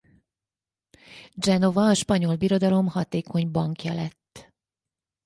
Genova a Spanyol Birodalom hatékony bankja lett.